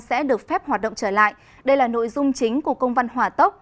sẽ được phép hoạt động trở lại đây là nội dung chính của công văn hỏa tốc